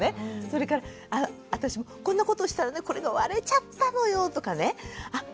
それから私もこんなことをしたらねこれが割れちゃったのよとかねあっ